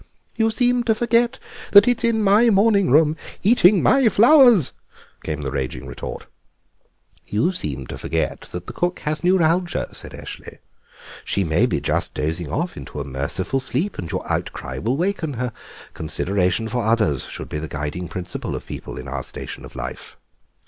"You seem to forget that it's in my morning room, eating my flowers," came the raging retort. "You seem to forget that the cook has neuralgia," said Eshley; "she may be just dozing off into a merciful sleep and your outcry will waken her. Consideration for others should be the guiding principle of people in our station of life."